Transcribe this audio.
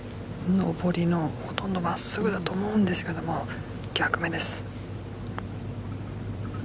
上りのほとんど真っすぐだと思うんですけど逆目です。